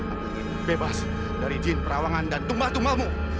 apalagi ini bebas dari jin perawangan dan tumba tumbalmu